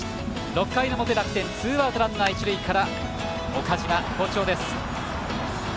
６回の表、楽天ツーアウト、ランナー、一塁から岡島、好調です。